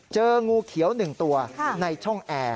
เจองูเขียว๑ตัวในช่องแอร์